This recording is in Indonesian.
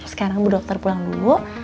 sekarang bu dokter pulang dulu